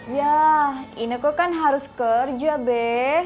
ya ineke kan harus kerja be